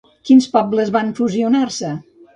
Quins pobles van fusionar-se?